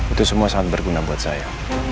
itu semua sangat berguna buat saya